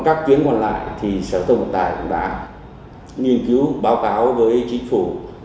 các chuyến còn lại thì sở thông vận tải đã nghiên cứu báo cáo với chính phủ